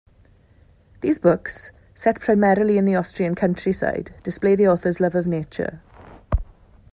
These books, set primarily in the Austrian countryside, display the author's love of nature.